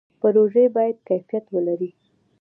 پروژې باید کیفیت ولري